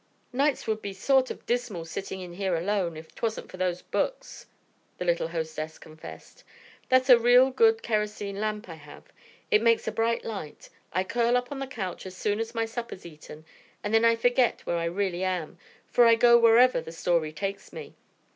"Nights it would be sort of dismal sitting in here alone if 'twasn't for those books," the little hostess confessed. "That's a real good kerosene lamp I have. It makes a bright light. I curl up on the couch as soon as my supper's eaten, and then I forget where I really am, for I go wherever the story takes me.